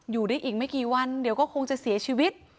อยู่ได้อีกไม่กี่วันเดี๋ยวก็คงจะเสียชีวิต